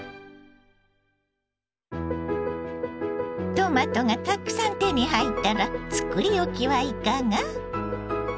トマトがたくさん手に入ったら作り置きはいかが。